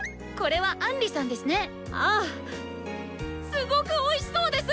すごくおいしそうです！